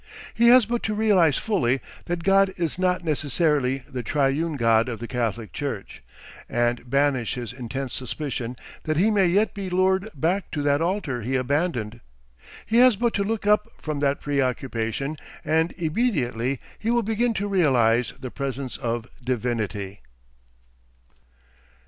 He has but to realise fully that God is not necessarily the Triune God of the Catholic Church, and banish his intense suspicion that he may yet be lured back to that altar he abandoned, he has but to look up from that preoccupation, and immediately he will begin to realise the presence of Divinity.